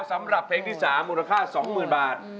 สำหรับเพลงที่๓มูลค่า๒๐๐๐บาท